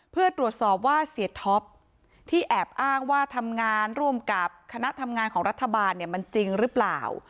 เพื่อตรวจสอบว่าเสียท็อปที่แอบอ้างว่าทำงานร่วมกับคณะทำงานของรัฐบาลเนี่ยมันจริงหรือเปล่า